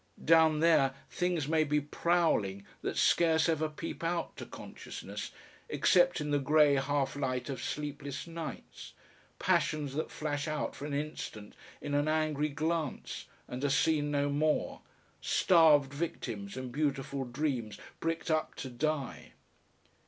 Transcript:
Down there things may be prowling that scarce ever peep out to consciousness except in the grey half light of sleepless nights, passions that flash out for an instant in an angry glance and are seen no more, starved victims and beautiful dreams bricked up to die.